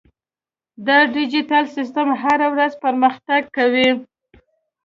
دا ډیجیټل سیستم هره ورځ پرمختګ کوي.